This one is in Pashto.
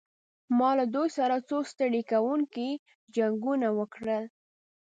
ما له دوی سره څو ستړي کوونکي جنګونه وکړل.